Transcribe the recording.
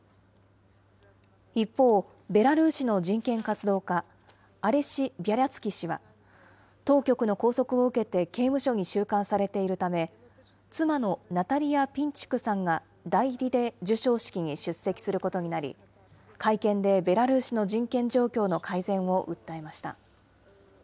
一方、ベラルーシの人権活動家、アレシ・ビャリャツキ氏は、当局の拘束を受けて刑務所に収監されているため、妻のナタリヤ・ピンチュクさんが代理で授賞式に出席することになり、会見でベラルーシの人権状況の改善を訴えました。